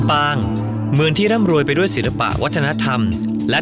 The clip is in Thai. รัมปางเมืองที่ร่ำรวยโดยศิลปะวัฒนธรรมและธรรมชาติอันโน้ดงาม